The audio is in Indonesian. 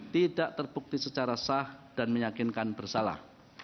tidak terbukti secara sah dan meyakinkan bersalah